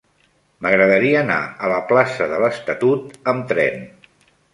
M'agradaria anar a la plaça de l'Estatut amb tren.